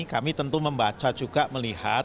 kami tentu membaca juga melihat